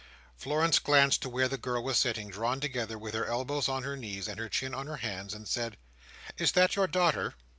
Florence glanced to where the girl was sitting, drawn together, with her elbows on her knees, and her chin on her hands, and said: "Is that your daughter?"